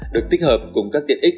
được tích hợp cùng các điện x